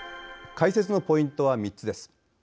解説のポイントは３つです。